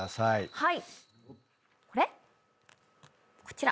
はい。